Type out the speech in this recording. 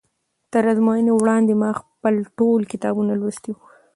تر ازموینې وړاندې ما خپل ټول کتابونه لوستي وو.